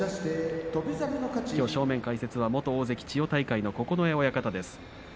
正面解説は元大関千代大海の九重親方です。